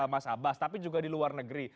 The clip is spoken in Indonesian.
mas abbas tapi juga di luar negeri